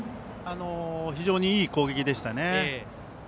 非常にいい攻撃でしたね。